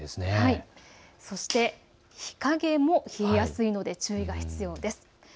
そして日陰も冷えやすいので注意が必要です。